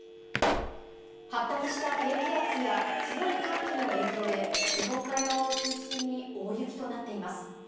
発達した低気圧や強い寒気の影響で、日本海側を中心に大雪となっています。